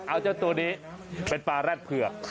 เอาเจ้าตัวนี้เป็นปลาแร็ดเผือก